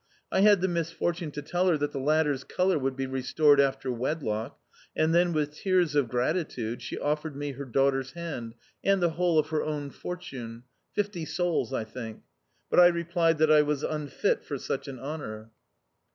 I had the misfortune to tell her that the latter's colour would be restored after wedlock, and then with tears of gratitude she offered me her daughter's hand and the whole of her own fortune fifty souls, I think. But I replied that I was unfit for such an honour."